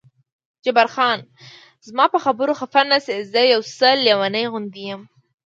جبار خان: زما په خبرو خفه نه شې، زه یو څه لېونی غوندې یم.